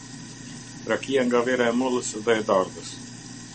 Rakia nga vera e mollës dhe e dardhës.